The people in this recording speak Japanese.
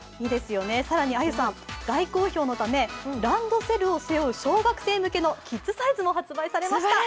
更にあゆさん、大好評のためランドセルを背負う小学生向けのキッズサイズも発売されました。